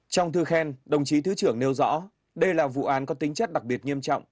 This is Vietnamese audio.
trong thư khen đồng chí thứ trưởng nêu rõ đây là vụ án có tính chất đặc biệt nghiêm trọng